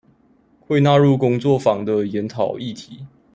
會納入工作坊的研討議題